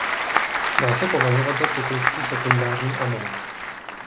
Dá se považovat za cyklický sekundární amin.